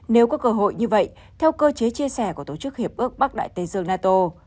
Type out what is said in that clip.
nếu có cơ hội như vậy theo cơ chế chia sẻ của tổ chức hiệp ước bắc đại tây dương nato